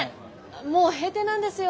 もう閉店なんですよ。